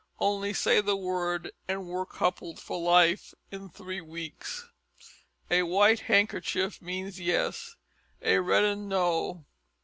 Only say the word and we're coupled for life in three weeks. A white handkerchief means yes, a red 'un, no.